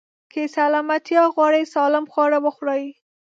که سلامتيا غواړئ، سالم خواړه وخورئ.